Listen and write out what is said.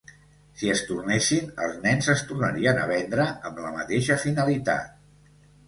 Si es tornessin, els nens es tornarien a vendre amb la mateixa finalitat.